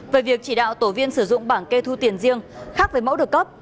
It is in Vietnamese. về việc chỉ đạo tổ viên sử dụng bảng kê thu tiền riêng khác với mẫu được cấp